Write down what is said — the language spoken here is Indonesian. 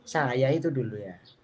saya itu dulu ya